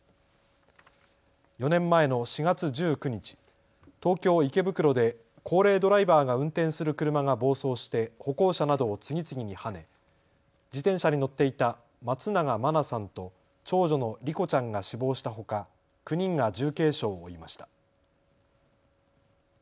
４年前の４月１９日、東京池袋で高齢ドライバーが運転する車が暴走して歩行者などを次々にはね、自転車に乗っていた松永真菜さんと長女の莉子ちゃんが死亡したほか９人が重軽傷を負いました。